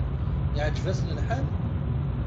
Iɛǧeb-asen lḥal?